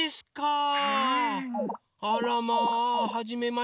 あらまあはじめまして。